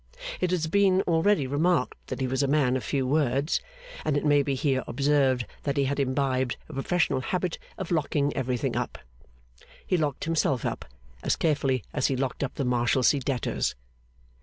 It has been already remarked that he was a man of few words; and it may be here observed that he had imbibed a professional habit of locking everything up. He locked himself up as carefully as he locked up the Marshalsea debtors.